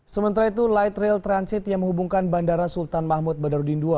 sementara itu light rail transit yang menghubungkan bandara sultan mahmud badarudin ii